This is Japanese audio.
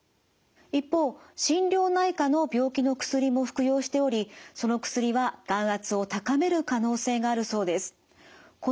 一方心療内科の病気の薬も服用しておりその薬は眼圧を高める可能性があるそうです。